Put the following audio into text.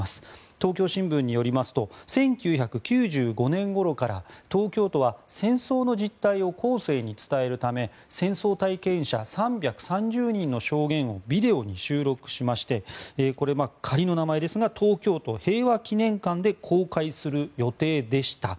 東京新聞によりますと１９９５年ごろから東京都は戦争の実態を後世に伝えるため戦争体験者ら３３０人の証言をビデオに収録しましてこれは仮の名前ですが東京都平和祈念館で公開する予定でした。